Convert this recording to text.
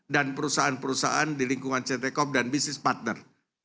dan perusahaan perusahaan di lingkungan ctkop dan bisnis partner